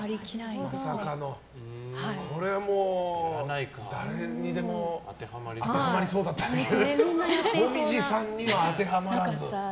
これは誰にでも当てはまりそうだったんだけど紅葉さんには当てはまらない。